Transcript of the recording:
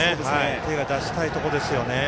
手を出したいところですよね。